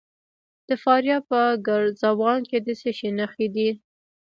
د فاریاب په ګرزوان کې د څه شي نښې دي؟